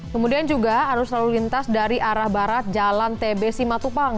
kemudian juga arus lalu lintas dari arah barat jalan tb simatupang